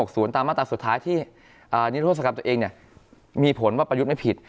สมรรถสุดท้ายที่นิทรศกรรมตัวเองมีผลว่าประยุทธไม่ผิด